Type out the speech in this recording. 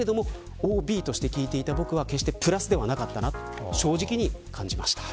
けれども、ＯＢとして聞いていた僕は、決してプラスではなかったと正直に感じました。